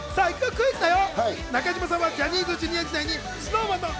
クイズだよ！